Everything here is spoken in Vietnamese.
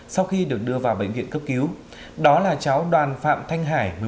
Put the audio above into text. sau khi được đưa vào bệnh viện cấp cứu đó là cháu đoàn phạm thanh hải